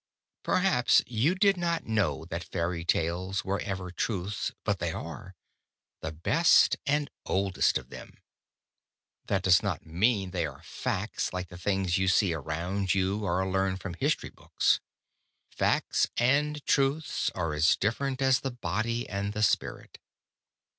Perhaps you did not know that fairy tales were ever truths, but they are—the best and oldest of them. That does not mean they are facts like the things you see around you or learn from history books. Facts and truths are as different as the body and the spirit.